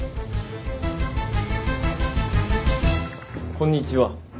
こんにちは。